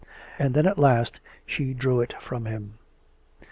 And then at last she drew it from him.